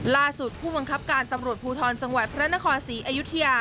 ผู้บังคับการตำรวจภูทรจังหวัดพระนครศรีอยุธยา